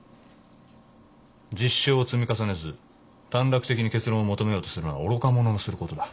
実証を積み重ねず短絡的に結論を求めようとするのは愚か者のすることだ。